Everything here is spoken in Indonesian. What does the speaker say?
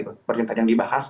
seperti yang tadi yang dibahas